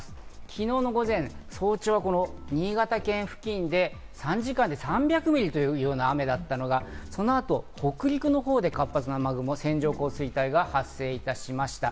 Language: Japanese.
昨日の午前、早朝は新潟県付近で３時間で３００ミリというような雨だったのが、そのあと北陸のほうで活発な雨雲、線状降水帯が発生いたしました。